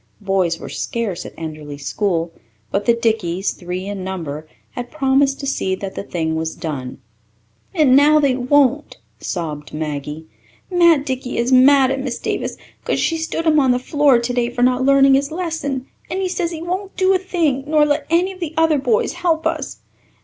Boys were scarce at Enderly school, but the Dickeys, three in number, had promised to see that the thing was done. "And now they won't," sobbed Maggie. "Matt Dickey is mad at Miss Davis 'cause she stood him on the floor today for not learning his lesson, and he says he won't do a thing nor let any of the other boys help us.